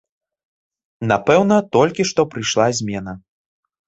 Напэўна, толькі што прыйшла змена.